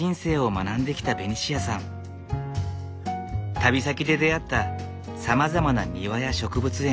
旅先で出会ったさまざまな庭や植物園